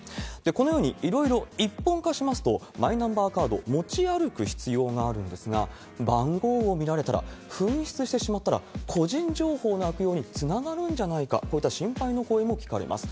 このようにいろいろ一本化しますと、マイナンバーカード持ち歩く必要があるんですが、番号を見られたら、紛失してしまったら、個人情報の悪用につながるんじゃないか、こういった心配の声も聞かれます。